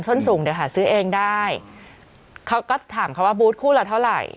ส้นสูงเดี๋ยวหาซื้อเองได้เขาก็ถามเขาว่าบูธคู่ละเท่าไหร่